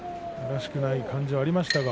らしくない感じがありますね